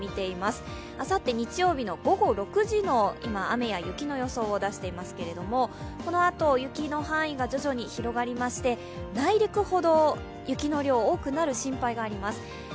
今、あさって日曜日の午後６時の雨や雪の予想を出していますがこのあと雪の範囲が徐々に広がりまして、内陸ほど雪の量は多くなる心配があります。